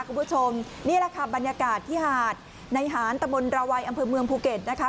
คุณผู้ชมนี่แหละค่ะบรรยากาศที่หาดในหารตะบนระวัยอำเภอเมืองภูเก็ตนะคะ